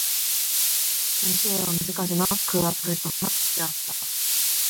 동시에 언제까지나 그의 앞을 떠나고 싶지 않았다.